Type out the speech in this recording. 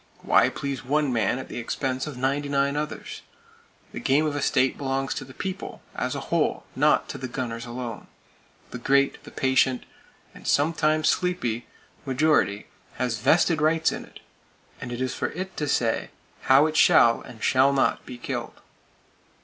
Why please one man at the expense of ninety nine others? The game of a state belongs to The People as a whole, not to the gunners alone. The great, patient,—and sometimes sleepy,—majority has vested rights in it, and it is for it to say how it shall and shall not be killed.